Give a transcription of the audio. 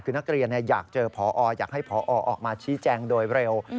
คือนักเรียนอยากเจอพออยากให้พอออกมาชี้แจงโดยเร็ว